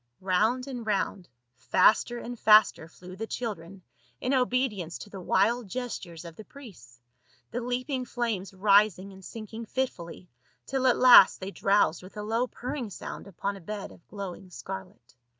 Round and round, faster and faster flew the children in obedience to the wild gestures of the priests, the leaping flames rising and sinking fitfully, till at last they drowsed with a low purring sound upon a bed of glowing scarlet.